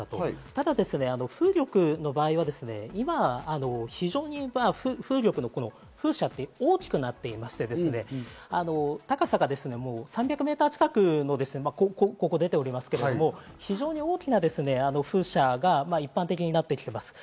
ただ、風力の場合は非常に風車って大きくなっていまして、高さ３００メートル近くここに出ておりますけど、非常に大きな風車が一般的になってきています。